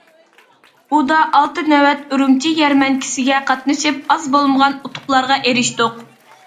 ئۇدا ئالتە نۆۋەت ئۈرۈمچى يەرمەنكىسىگە قاتنىشىپ، ئاز بولمىغان ئۇتۇقلارغا ئېرىشتۇق.